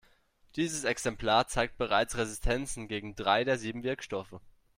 Dieses Exemplar zeigt bereits Resistenzen gegen drei der sieben Wirkstoffe.